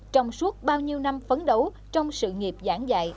trong suốt bao nhiêu năm phấn đấu trong sự nghiệp giảng dạy